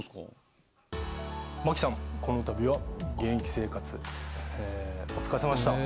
マキさん、このたびは現役生活、お疲れさまでした。